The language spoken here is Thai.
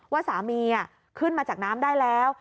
ว่าสามีขึ้นมาจากน้ำได้แล้ว